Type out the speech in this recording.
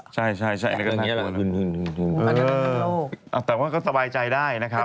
ใช่นี่ก็ทั้งโลกแต่ว่าก็สบายใจได้นะครับ